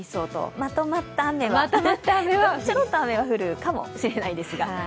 まとまった雨は、ちょろっと雨は降るかもしれませんが。